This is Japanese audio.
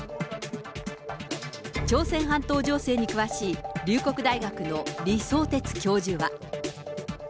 朝鮮半島情勢に詳しい龍谷大学の李相哲教授は。